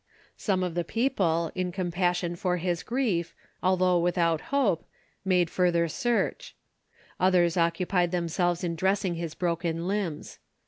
Some of the people, in compassion for his grief, although without hope, made further search; others occupied themselves in dressing his broken limbs.